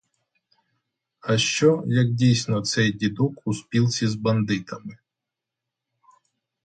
А що, як дійсно цей дідок у спілці з бандитами?